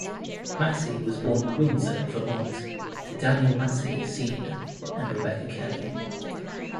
Massey was born in Windsor, Vermont to Daniel Massey Senior and Rebecca Kelley.